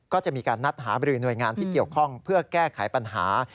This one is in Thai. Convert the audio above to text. ก็จะมีการนัดหาบรือหน่วยงานที่เกี่ยวข้องเพื่อแก้ไขปัญหา